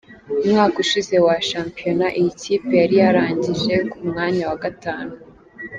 Umwaka ushize wa shampiyona iyi kipe yari yarangije ku mwanya wa gatanu.